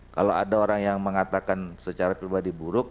kalau ada orang yang mengatakan secara pribadi buruk